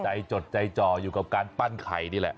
จดใจจ่ออยู่กับการปั้นไข่นี่แหละ